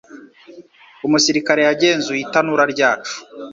Umusirikare yagenzuye itanura ryacu.